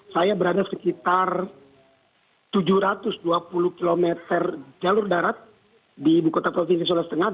saya berada sekitar tujuh ratus dua puluh km jalur darat di bukota kota kota kisah sula setengah